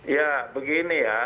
ya begini ya